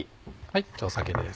酒です。